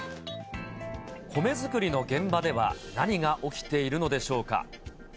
米作りの現場では、何が起きているのでしょうか。